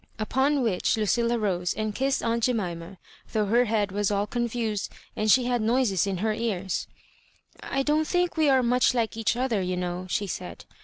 Upon which Lucilla rose and kissed aunt Jemi* ma, though h6r head was all confused and she had noises in her ears. I don^t think we are much like each other, you know," she said.